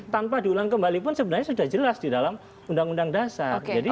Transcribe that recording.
tanpa diulang kembali pun sebenarnya sudah jelas di dalam undang undang dasar